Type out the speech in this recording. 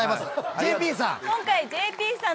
ＪＰさん。